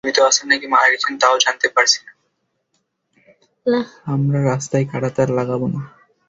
আমরা রাস্তায় কাঁটাতার লাগাবো না।